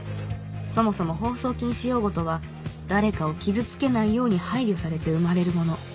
そもそも放送禁止用語とは誰かを傷つけないように配慮されて生まれるもの